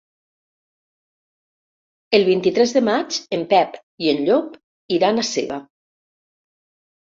El vint-i-tres de maig en Pep i en Llop iran a Seva.